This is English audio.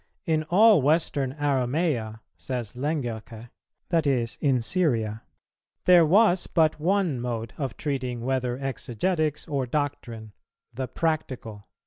"In all Western Aramæa," says Lengerke, that is, in Syria, "there was but one mode of treating whether exegetics or doctrine, the practical."